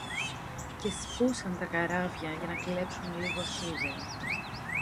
και σπούσαν τα καράβια για να κλέψουν λίγο σίδερο